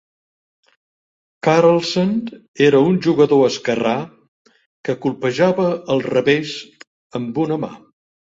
Carlsen era un jugador esquerrà que colpejava el revés amb una mà.